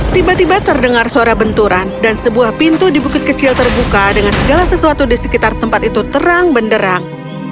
tiba tiba terdengar suara benturan dan sebuah pintu di bukit kecil terbuka dengan segala sesuatu di sekitar tempat itu terang benderang